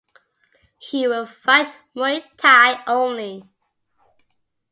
He will fight Muay Thai only.